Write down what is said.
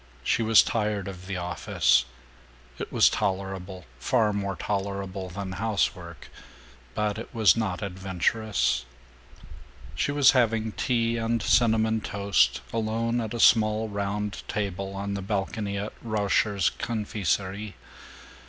She was tired of the office. It was tolerable, far more tolerable than housework, but it was not adventurous. She was having tea and cinnamon toast, alone at a small round table on the balcony of Rauscher's Confiserie.